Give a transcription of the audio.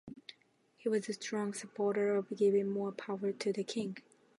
He was a strong supporter of giving more power to the King.